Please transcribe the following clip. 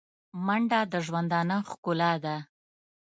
منډه د ژوندانه ښکلا ده